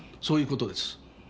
そういう事です。